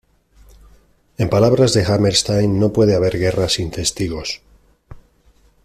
En palabras de Hammerstein: "No puede haber guerra sin testigos.